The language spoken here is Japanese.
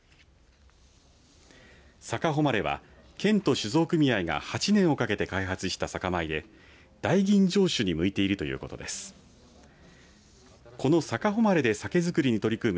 さかほまれは、県と酒造組合が８年をかけて開発した酒米で、大吟醸酒に向いているということです。